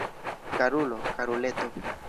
Karulo, karuleto!